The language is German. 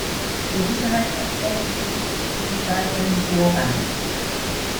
Der Sicherheitsaspekt ist somit weiterhin vorrangig.